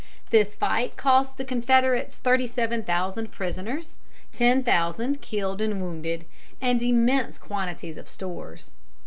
This fight cost the Confederates thirty seven thousand prisoners, ten thousand killed and wounded, and immense quantities of stores.